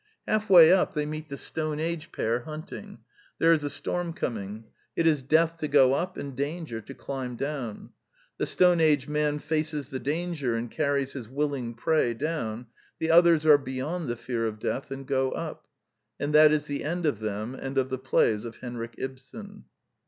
Half way up, they meet the Stone Age pair hunting. There is a storm coming. It is death to go up and danger to climb down. The Stone Age man faces the danger and carries his willing prey down. The others are beyond the fear of death, and go up. And that is the end of them and of the plays of Henrik Ibsen.